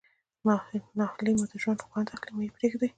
ناهلي مو د ژوند خوند اخلي مه ئې پرېږدئ.